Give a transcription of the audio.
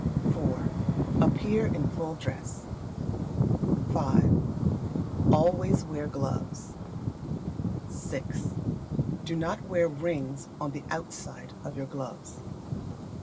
iv. Appear in full dress. v. Always wear gloves. vi. Do not wear rings on the outside of your gloves.